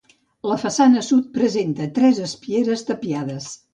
La façana sud presenta tres espieres tapiades.